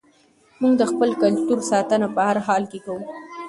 موږ د خپل کلتور ساتنه په هر حال کې کوو.